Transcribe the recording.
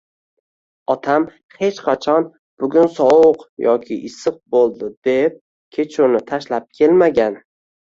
Otam hech qachon bugun sovuq yoki issiq boʻldi, deb kechuvni tashlab kelmagan